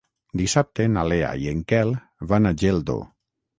Dissabte na Lea i en Quel van a Geldo.